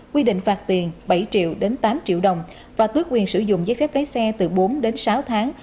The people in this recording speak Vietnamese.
quy định phạt tiền bảy triệu đến tám triệu đồng và tước quyền sử dụng giấy phép lái xe từ bốn đến sáu tháng